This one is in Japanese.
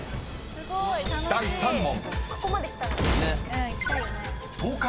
［第３問］